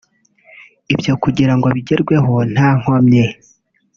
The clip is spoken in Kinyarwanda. Ibyo kugira ngo bigerweho nta komyi